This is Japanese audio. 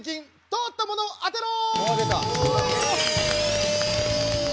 通ったものを当てろ！